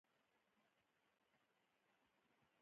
په حقوقي ظرافتونو کې یې مرسته کوله.